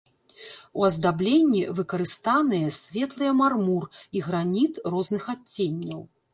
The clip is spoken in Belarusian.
У аздабленні выкарыстаныя светлыя мармур і граніт розных адценняў.